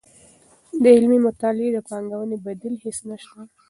د علمي مطالعې د پانګوونې بدیل هیڅ نشته.